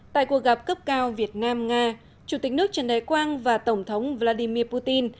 tại cuộc gặp cấp cao việt nam nga chủ tịch nước trần đại quang và tổng thống vladimir putin